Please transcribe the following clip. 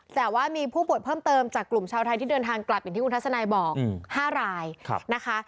แต่ว่ามีผู้ป่วยเพิ่มเติมจากกลุ่มชาวไทยที่เดินทางกลับอย่างที่คุณทัศนายบอก๕รายนะคะ